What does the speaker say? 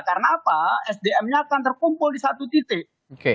karena apa sdm nya akan terkumpul di satu titik